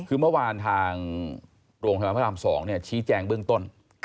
คือเมื่อวานทางโรงพยาบาลพระราม๒ชี้แจงเบื้องต้น